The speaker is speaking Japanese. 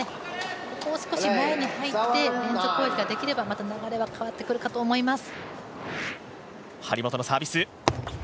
ここを少し前に入って連続攻撃ができればまた、流れは変わってくるかと思います。